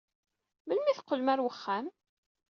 Melmi ay d-teqqlem ɣer wexxam?